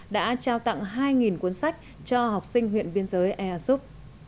đã trao tặng hai cuốn sách cho học sinh huyện biên giới ea súp